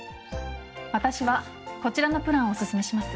私はこちらのプランをおすすめします。